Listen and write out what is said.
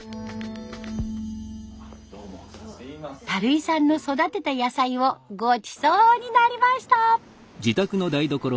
井さんの育てた野菜をごちそうになりました。